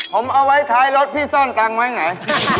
ผมเอาไว้ท้ายรถพี่ซ่อนตังค์ไว้ไง